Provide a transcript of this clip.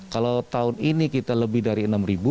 kalau tahun ini kita lebih dari enam ribu